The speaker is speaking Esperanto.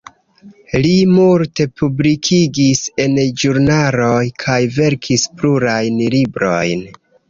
Li multe publikigis en ĵurnaloj, kaj verkis plurajn librojn.